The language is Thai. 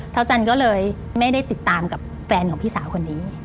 อาจารย์ก็เลยไม่ได้ติดตามกับแฟนของพี่สาวคนนี้